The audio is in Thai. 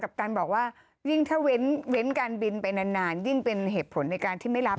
กับการบอกว่ายิ่งถ้าเว้นการบินไปนานยิ่งเป็นเหตุผลในการที่ไม่รับ